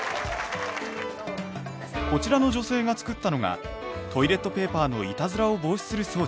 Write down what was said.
こちらの女性が作ったのがトイレットペーパーのいたずらを防止する装置。